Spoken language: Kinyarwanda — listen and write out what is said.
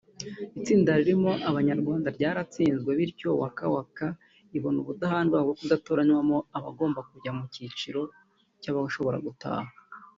Itsinda ririmo Abanyarwanda ryaratsinzwe bityo ‘Waka Waka’ ibona ubudahangarwa bwo kudatorwamo abagomba kujya mu cyiciro cy’abashobora gutaha